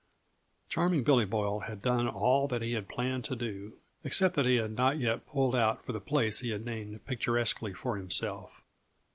Charming Billy Boyle had done all that he had planned to do, except that he had not yet pulled out for the place he had named picturesquely for himself.